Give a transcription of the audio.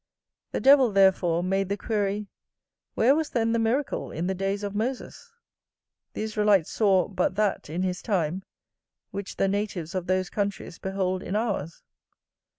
The devil therefore made the query, "Where was then the miracle in the days of Moses?" The Israelites saw but that, in his time, which the natives of those countries behold in ours.